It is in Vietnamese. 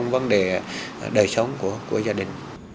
vấn đề đời sống của gia đình